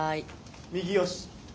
右よし！